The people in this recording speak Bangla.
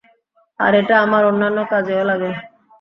আর এটা আমার অন্যান্য কাজেও লাগে।